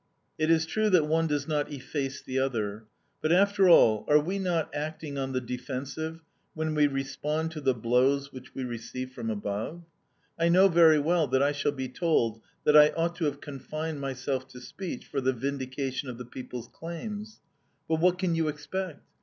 "It is true that one does not efface the other; but, after all, are we not acting on the defensive when we respond to the blows which we receive from above? I know very well that I shall be told that I ought to have confined myself to speech for the vindication of the people's claims. But what can you expect!